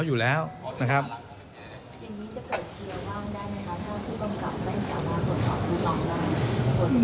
ถ้าผู้กำกับไม่สามารถตรวจสอบถูกร้องร้าน